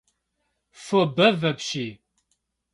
Фо бэв апщий.